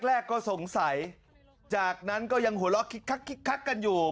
แรกก็สงสัยจากนั้นก็ยังหัวเราะคิกคักกันอยู่